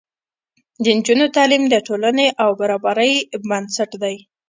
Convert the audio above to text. د نجونو تعلیم د ټولنې برابرۍ بنسټ دی.